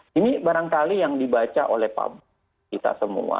dan kadangkali yang dibaca oleh pak bu kita semua